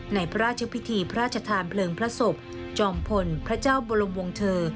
ในพระราชพิธีพระราชทานเพลิงพระศพจอมพลพระเจ้าบรมวงเถอร์